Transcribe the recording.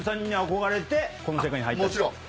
もちろん。